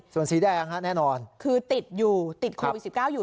ส่วนสีแดงฮะแน่นอนคือติดอยู่ติดโควิด๑๙อยู่